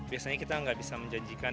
biasanya kita nggak bisa menjanjikan